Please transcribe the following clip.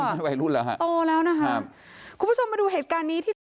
ไม่วัยรุ่นแล้วฮะโตแล้วนะครับคุณผู้ชมมาดูเหตุการณ์นี้ที่